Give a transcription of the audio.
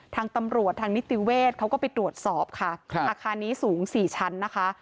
ทางตำรวจทางนิติเวศเขาก็ไปตรวจสอบค่ะอาคารนี้สูง๔ชั้นนะคะ